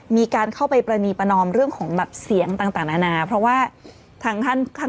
มีการเข้าไปประณีประนอมเรื่องของแบบเสียงต่างนานาเพราะว่าทางท่านท่าน